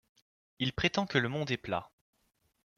Il prétend que le monde est plat.